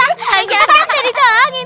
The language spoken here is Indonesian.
ayak asik aja ditolongin